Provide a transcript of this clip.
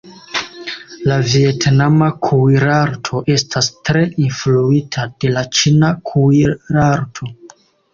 La vjetnama kuirarto estas tre influita de la ĉina kuirarto.